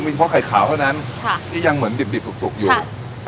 มีเฉพาะไข่ขาวเท่านั้นใช่ที่ยังเหมือนดิบดิบสุกสุกอยู่ใช่